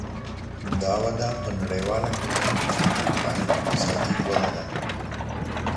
دا وده په نړیواله کچه چټکه اقتصادي وده ده.